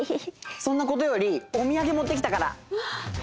そんなことよりおみやげもってきたから！